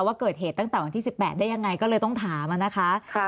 ว่าเกิดเหตุตั้งแต่วันที่๑๘ได้ยังไงก็เลยต้องถามนะคะ